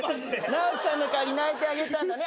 直毅さんの代わりに鳴いてあげたのね。